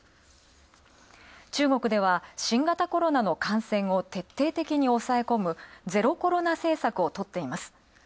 中国では新型コロナの感染を徹底的に押さえ込むゼロコロナ政策をとっています。